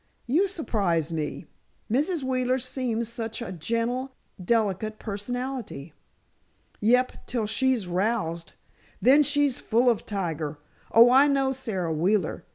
"You surprise me. Mrs. Wheeler seems such a gentle, delicate personality." "Yep; till she's roused. Then she's full of tiger! Oh, I know Sara Wheeler.